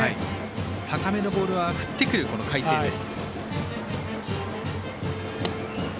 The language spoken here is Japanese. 高めのボールは振ってくる海星です。